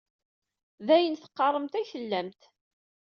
D ayen teqqaremt ay tellamt.